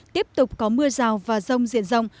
tiếp tục có mưa rào và rông diện rông